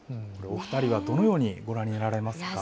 お２人はどのようにご覧になられますか。